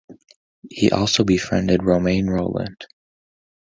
He also befriended Romain Rolland.